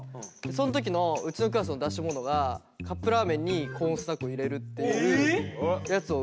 その時のうちのクラスの出し物がカップラーメンにコーンスナックを入れるっていうやつを売ってたの。